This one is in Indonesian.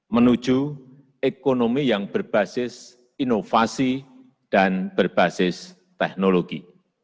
menuju ekonomi yang berbasis inovasi dan berbasis teknologi